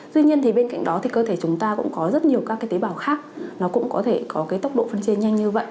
tuy nhiên bên cạnh đó thì cơ thể chúng ta cũng có rất nhiều các tế bào khác nó cũng có tốc độ phân chia nhanh như vậy